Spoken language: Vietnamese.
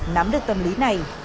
nắm được tâm lý này